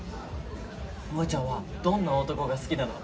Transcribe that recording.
萌ちゃんはどんな男が好きなの？